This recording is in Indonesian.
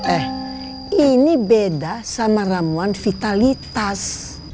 eh ini beda sama ramuan vitalitas